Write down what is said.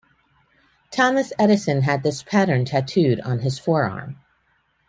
Thomas Edison had this pattern tattooed on his forearm.